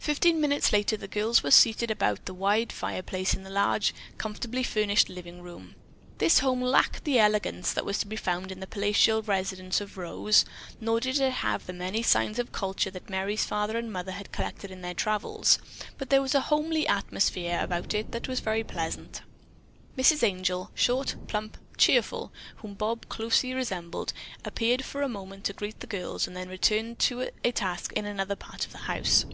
Fifteen minutes later the girls were seated about the wide fireplace in the large, comfortably furnished living room. This home lacked the elegance that was to be found in the palatial residence of Rose, nor did it have the many signs of culture that Merry's father and mother had collected in their travels, but there was a homey atmosphere about it that was very pleasant. Mrs. Angel, short, plump, cheerful, whom Bob closely resembled, appeared for a moment to greet the girls and then returned to a task in another part of the house.